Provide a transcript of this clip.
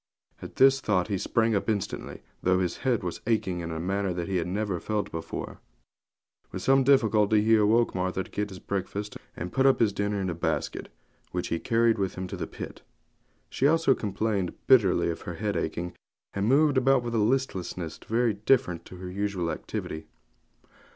At this thought he sprang up instantly, though his head was aching in a manner he had never felt before. With some difficulty he awoke Martha to get his breakfast and put up his dinner in a basket which he carried with him to the pit. She also complained bitterly of her head aching, and moved about with a listlessness very different to her usual activity.